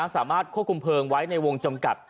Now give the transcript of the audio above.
สามารถควบคุมเพลิงไว้ในวงจำกัด